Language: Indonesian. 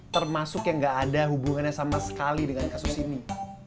termasuk yang gak ada hubungannya sama sekali dengan kasus ini